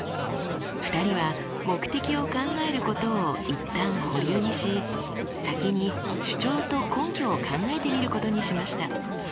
２人は目的を考えることを一旦保留にし先に主張と根拠を考えてみることにしました。